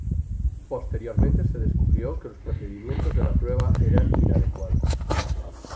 Posteriormente se descubrió que los procedimientos de la prueba eran inadecuados.